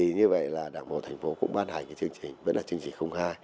như vậy là đảng bộ thành phố cũng ban hành chương trình vẫn là chương trình hai